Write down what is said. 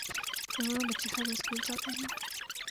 کروڑوں بچے ہر روزسکول جا تے ہیں۔